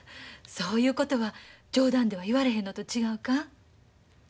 そういうことは冗談では言われへんのと違うか？